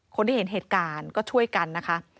คนที่เห็นเหตุการณ์ก็ช่วยกันนะคะ